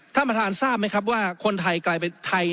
ท่านประธานทราบไหมครับว่าคนไทยกลายเป็นไทย